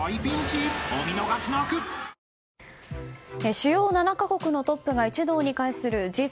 主要７か国のトップが一堂に会するＧ７